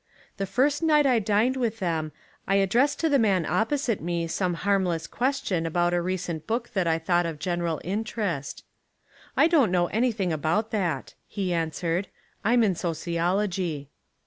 The first night I dined with them, I addressed to the man opposite me some harmless question about a recent book that I thought of general interest. "I don't know anything about that," he answered, "I'm in sociology."